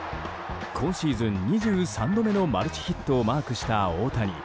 今シーズン２３度目のマルチヒットをマークした大谷。